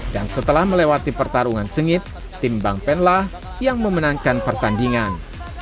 dan setelah melewati pertarungan sengit tim bang pen lah yang memenangkan pertandingan